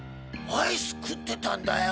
アイス食ってたんだよ